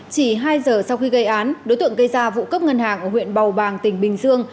chỉ hai giờ sau khi gây án đối tượng gây ra vụ cướp ngân hàng ở huyện bầu bàng tỉnh bình dương